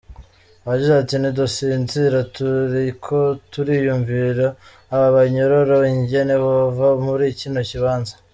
Yagize ati: "Ntidusinzira turiko turiyumvira aba banyororo ingene bova muri kino kibanza.